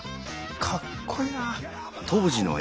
かっこいいな。